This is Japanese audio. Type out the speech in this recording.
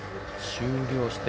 終了して。